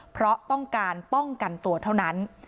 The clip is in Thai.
เพราะต้องการป้องกันตัวเท่านั้น